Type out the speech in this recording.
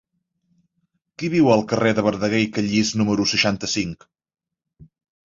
Qui viu al carrer de Verdaguer i Callís número seixanta-cinc?